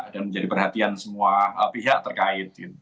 dan menjadi perhatian semua pihak terkait